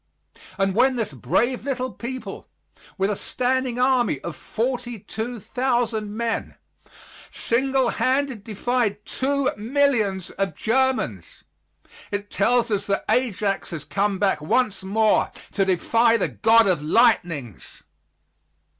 And when this brave little people, with a standing army of forty two thousand men, single handed defied two millions of Germans, it tells us that Ajax has come back once more to defy the god of lightnings.